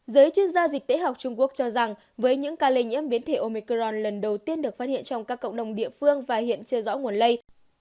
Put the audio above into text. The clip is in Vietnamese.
giới chuyên gia dịch tễ học trung quốc cho rằng với những ca lây nhiễm biến thể omicron lần đầu tiên được phát hiện trong các cộng đồng địa phương và hiện chưa rõ nguồn lây